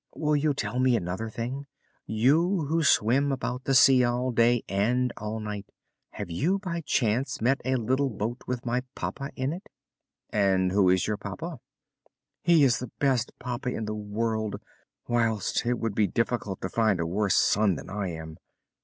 "Will you tell me another thing? You who swim about the sea all day and all night, have you by chance met a little boat with my papa in it?" "And who is your papa?" "He is the best papa in the world, whilst it would be difficult to find a worse son than I am."